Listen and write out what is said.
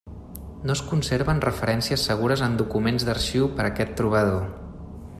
No es conserven referències segures en documents d'arxiu per aquest trobador.